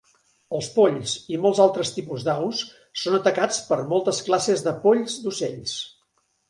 Els polls i molts altres tipus d'aus són atacats per moltes classes de polls d'ocells.